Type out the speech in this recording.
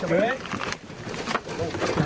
เฮ้ย